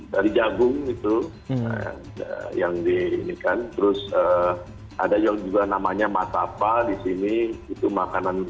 dari jagung itu yang di ini kan terus ada yang juga namanya matapa di sini itu makanan